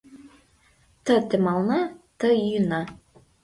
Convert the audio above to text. Ты темална, ты йӱына.